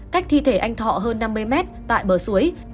cách thi thể anh thọ hơn năm mươi mét tại bờ suối